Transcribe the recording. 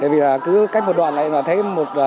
vì cách một đoạn lại thấy